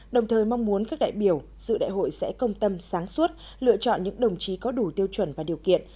đồng thời mong muốn các đại biểu dự đại hội sẽ công tâm sáng suốt lựa chọn những đồng chí có đủ tiêu chuẩn và điều kiện